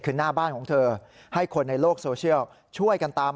คือหน้าบ้านของเธอให้คนในโลกโซเชียลช่วยกันตาม